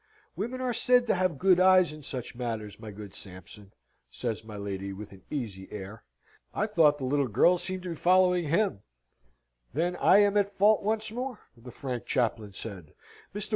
"Women are said to have good eyes in such matters, my good Sampson," says my lady, with an easy air. "I thought the little girl seemed to be following him." "Then I am at fault once more," the frank chaplain said. "Mr.